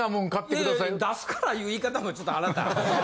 いやいや「出すから」いう言い方もちょっとあなた！